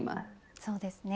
そうですね。